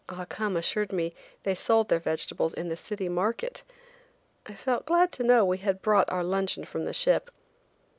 Ah Cum assured me they sold their vegetables in the city market! I felt glad to know we had brought our luncheon from the ship.